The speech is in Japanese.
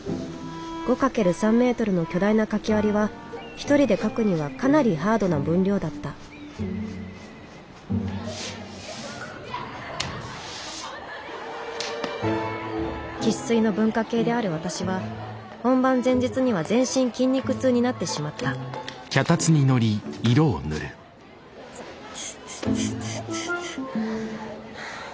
５×３メートルの巨大な書き割りは一人で描くにはかなりハードな分量だった生っ粋の文化系である私は本番前日には全身筋肉痛になってしまったいててて。